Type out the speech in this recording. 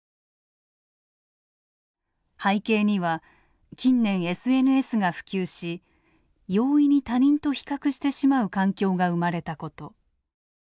背景には近年ＳＮＳが普及し容易に他人と比較してしまう環境が生まれたこと。